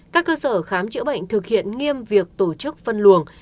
các cơ sở khám chữa bệnh thực hiện nghiêm việc tổ chức phân luồng